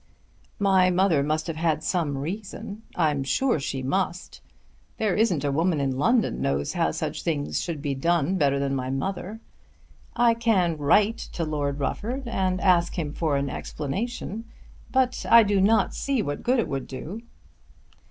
"My mother must have had some reason. I'm sure she must. There isn't a woman in London knows how such things should be done better than my mother. I can write to Lord Rufford and ask him for an explanation; but I do not see what good it would do."